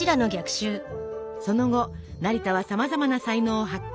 その後成田はさまざまな才能を発揮。